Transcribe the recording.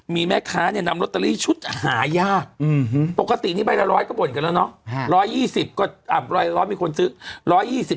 มีแม่ค้านำรอเตอรี่ชุดหายาบปกตินี้ไปละ๑๐๐ก็บ่นกันแล้ว